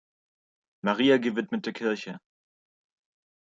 Maria gewidmete Kirche.